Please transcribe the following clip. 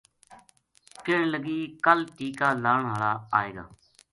کہن لگی :” کل ٹیکہ لان ہالا آئے گا